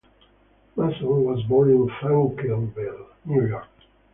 Mason was born in Franklinville, New York.